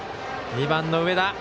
２番の上田。